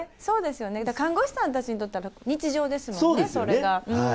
だから看護師さんたちにとったら、日常ですもんね、そうですよね。